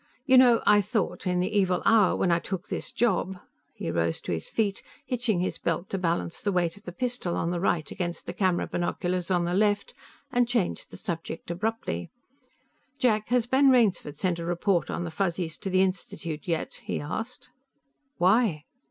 You know, I thought, in the evil hour when I took this job " He rose to his feet, hitching his belt to balance the weight of the pistol on the right against the camera binoculars on the left, and changed the subject abruptly. "Jack, has Ben Rainsford sent a report on the Fuzzies to the Institute yet?" he asked. "Why?"